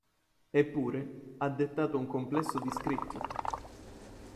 Eppure, ha dettato un complesso di scritti.